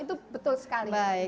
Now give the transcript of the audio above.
itu betul sekali